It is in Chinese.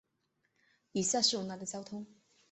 以下是文莱的交通